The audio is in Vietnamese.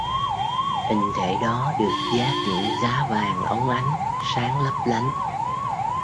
Hình thể đó được dát những giá vàng óng ánh sáng lấp lánh